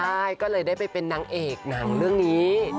ใช่ก็เลยได้ไปเป็นนางเอกหนังเรื่องนี้